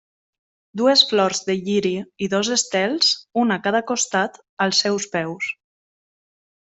Dues flors de lliri i dos estels, un a cada costat, als seus peus.